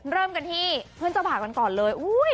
เริ่มกันที่เพื่อนเจ้าบ่าวกันก่อนเลย